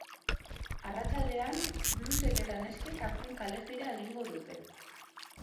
Arratsaldean, blusek eta neskek azken kalejira egingo dute.